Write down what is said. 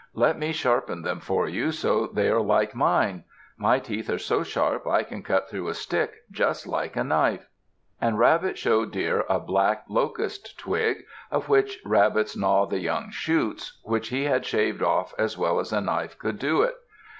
Let me sharpen them for you so they are like mine. My teeth are so sharp I can cut through a stick just like a knife." And Rabbit showed Deer a black locust twig, of which rabbits gnaw the young shoots, which he had shaved off as well as a knife could do it.